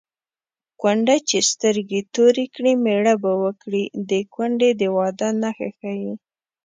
کونډه چې سترګې تورې کړي مېړه به وکړي د کونډې د واده نښه ښيي